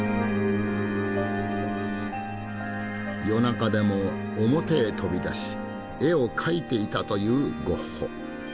夜中でも表へ飛び出し絵を描いていたというゴッホ。